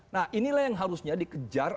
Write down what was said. nah inilah yang harusnya dikejar